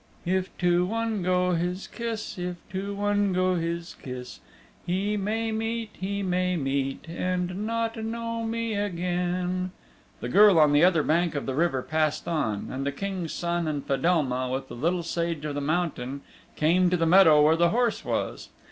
If to one go his kiss, if to one go his kiss, He may meet, he may meet, and not know me again. The girl on the other bank of the river passed on, and the King's Son and Fedelma with the Little Sage of the Mountain came to the meadow where the horse was.